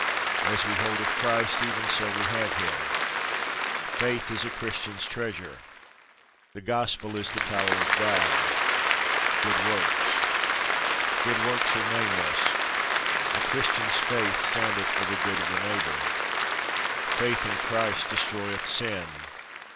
As we hold of Christ, even so we have him. Faith is a Christian's treasure. The Gospel is the power of God. Good Works. Good works are nameless. A Christian's work standeth for the good of the neighbour. Faith in Christ destroyeth sin.